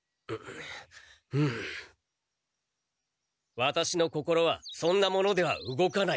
ワタシの心はそんなものでは動かない。